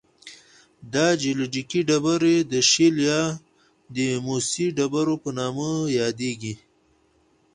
دا جیولوجیکي ډبرې د شیل یا د موسی د ډبرو په نامه یادیږي.